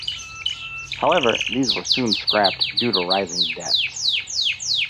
However, these were soon scrapped due to rising debts.